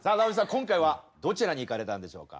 今回はどちらに行かれたんでしょうか？